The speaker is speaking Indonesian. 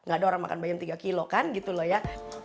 gak ada orang makan bayang tiga kilo kan gitu loh ya